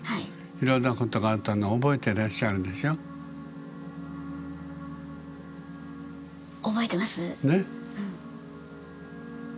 いろんなことがあったの覚えてらっしゃるでしょ？ね？